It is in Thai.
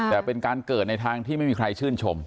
แต่เป็นการเกิดในทางที่ไม่มีใครชื่นชม